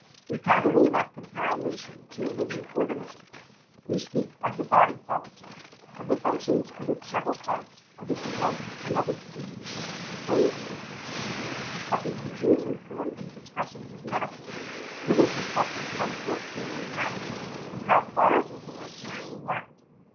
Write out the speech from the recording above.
We commonly enough compare a nation to a living organism. We speak of " the body politio," of the functions of its several parts, of its growth, and of its diseases, as though it were a creature. But we usually employ these expressions as metaphors, little suspecting how close is the analogy; and how far it will bear carrying out.